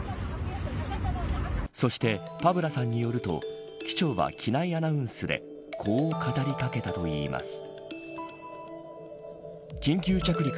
そして、パブラさんによると機長は機内アナウンスでこう語りかけたといいます。